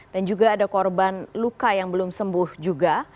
dan juga ada korban luka yang belum sembuh juga